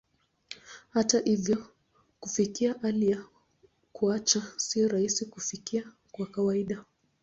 Hata hivyo, kufikia hali ya kuacha sio rahisi kufikia kwa kawaida.